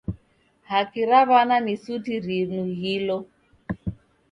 Haki ra w'ana ni suti rinughilo.